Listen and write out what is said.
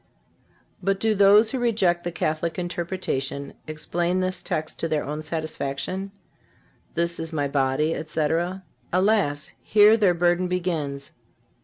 But do those who reject the Catholic interpretation explain this text to their own satisfaction: "This is My body, etc?" Alas! here their burden begins.